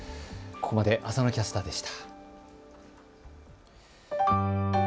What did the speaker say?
ここまで浅野キャスターでした。